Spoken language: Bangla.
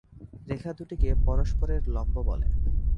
রেখা দুটিকে পরস্পরের লম্ব বলে।